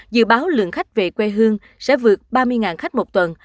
dự báo lượng khách về quê hương sẽ vượt ba mươi khách một tuần